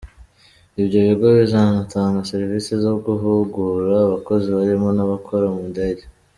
Ibyo bigo bizanatanga serivisi zo guhugura abakozi barimo n’abakora mu ndege.